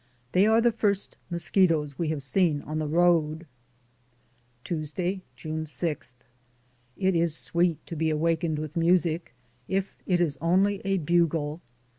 They are the first mosquitoes we have seen on the road. Tuesday, June 6. It is sweet to be awakened with music, if it is only a bugle.